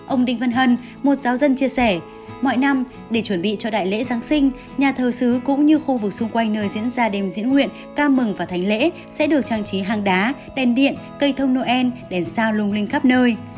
ông đinh vân hân một giáo dân chia sẻ mọi năm để chuẩn bị cho đại lễ giáng sinh nhà thờ sứ cũng như khu vực xung quanh nơi diễn ra đêm diễn nguyện ca mừng và thanh lễ sẽ được trang trí hang đá đèn điện cây thông noel đèn sao lung linh khắp nơi